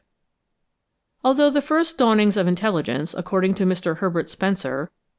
Although the first dawnings of intelligence, according to Mr. Herbert Spencer (4.